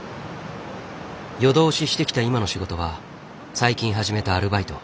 夜通ししてきた今の仕事は最近始めたアルバイト。